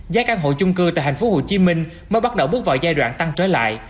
giá căn hộ chung cư tại tp hcm mới bắt đầu bước vào giai đoạn tăng trở lại